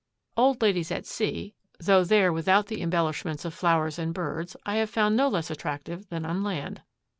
Old ladies at sea, though there without the embellishments of flowers and birds, I have found no less attractive than on land.